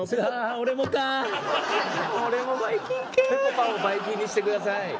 ぺこぱをバイキンにしてください。